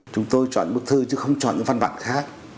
chúng tôi chọn bức thư chứ không chọn những văn bản khác